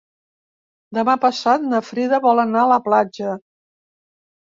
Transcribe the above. Demà passat na Frida vol anar a la platja.